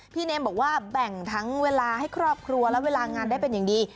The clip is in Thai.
เนมบอกว่าแบ่งทั้งเวลาให้ครอบครัวและเวลางานได้เป็นอย่างดี